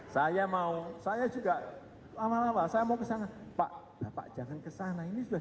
saya mau saya juga lama lama saya mau ke sana pak bapak jangan ke sana ini sudah